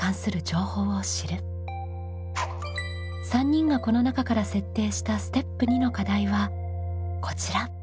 ３人がこの中から設定したステップ２の課題はこちら。